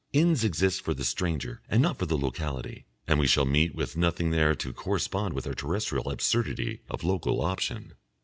Inns exist for the stranger and not for the locality, and we shall meet with nothing there to correspond with our terrestrial absurdity of Local Option.